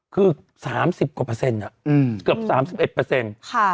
เกือบ๓๑เปอร์เซ็นต์